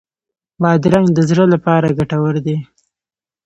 بادرنګ د زړه لپاره ګټور دی.